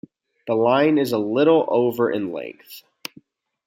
The line is a little over in length.